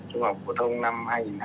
trung học phổ thông năm hai nghìn hai mươi